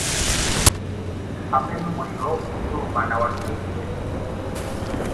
Hamwe numuriro ugurumana watwitse